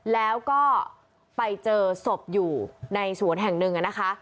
แล้วก็ไปเจอศพอยู่ในสวนแห่งหนึ่งนะคะ